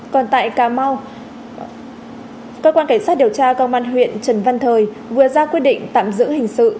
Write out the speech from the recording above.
còn tại cà mau cơ quan cảnh sát điều tra công an huyện trần văn thời vừa ra quyết định tạm giữ hình sự